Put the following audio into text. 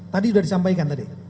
tadi sudah disampaikan tadi